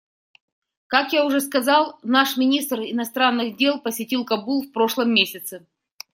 Как я уже сказал, наш министр иностранных дел посетил Кабул в прошлом месяце.